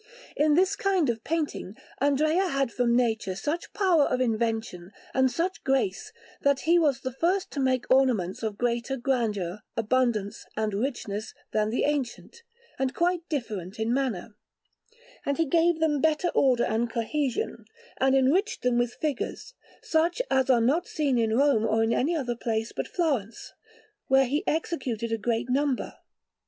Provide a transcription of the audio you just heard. In this kind of painting Andrea had from nature such power of invention and such grace that he was the first to make ornaments of greater grandeur, abundance, and richness than the ancient, and quite different in manner; and he gave them better order and cohesion, and enriched them with figures, such as are not seen in Rome or in any other place but Florence, where he executed a great number.